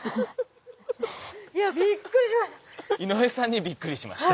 いやびっくりしました。